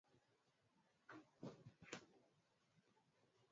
aliwaalika marafiki zake kumtazama Antony anavyokwenda kuvua siku iliyofuata